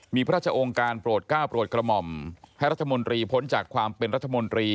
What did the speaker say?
มีพระราชองค์การโปรดก้าวโปรดกระหม่อมให้รัฐมนตรีพ้นจากความเป็นรัฐมนตรี